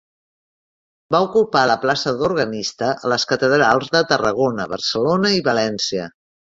Va ocupar la plaça d'organista a les catedrals de Tarragona, Barcelona i València.